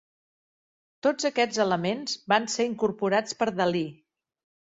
Tots aquests elements van ser incorporats per Dalí.